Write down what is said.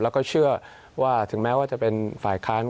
แล้วก็เชื่อว่าถึงแม้ว่าจะเป็นฝ่ายค้าน